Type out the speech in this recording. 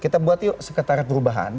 kita buat yuk sekretariat perubahan